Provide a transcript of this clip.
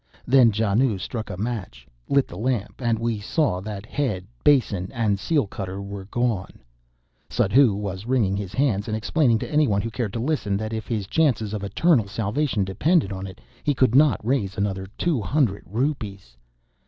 Then Janoo struck a match, lit the lamp, and we saw that head, basin, and seal cutter were gone. Suddhoo was wringing his hands and explaining to anyone who cared to listen, that, if his chances of eternal salvation depended on it, he could not raise another two hundred rupees.